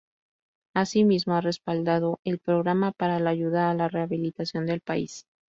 Asimismo ha respaldado el programa para la ayuda a la rehabilitación del país.